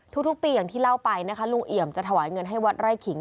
ทุกปีอย่างที่เล่าไปนะคะลุงเอี่ยมจะถวายเงินให้วัดไร่ขิง